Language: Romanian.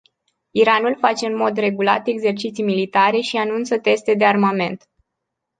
Iranul face în mod regulat exerciții militare și anunță teste de armament.